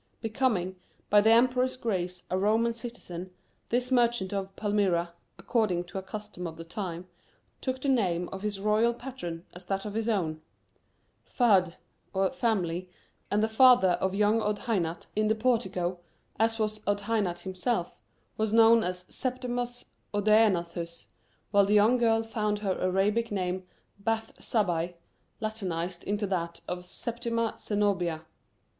Becoming, by the Emperor's grace, a Roman citizen, this merchant of Palmyra, according to a custom of the time, took the name of his royal patron as that of his own "fahdh," or family, and the father of young Odhainat in the portico, as was Odhainat himself, was known as Septimus Odaenathus, while the young girl found her Arabic name of Bath Zabbai, Latinized into that of Septima Zenobia.